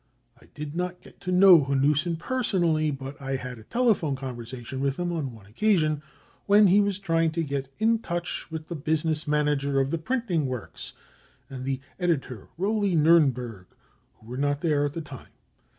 I did not get to know Hanussen person i ally, but I had a telephone conversation with him on I one occasion when he was trying to get into touch with j the business manager of the printing works and the \ editor Roli Niirnberg, who were not there at the time.